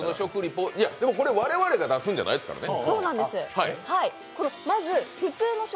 これ我々が出すわけじゃないですからね。